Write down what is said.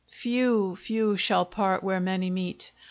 Few, few shall part where many meet!